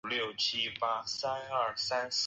井栏边草为凤尾蕨科凤尾蕨属下的一个种。